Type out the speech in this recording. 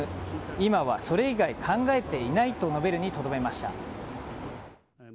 今はそれ以外考えていないと述べるにとどめました。